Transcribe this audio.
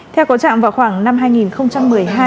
theo có trạng vào khoảng năm hai nghìn một mươi hai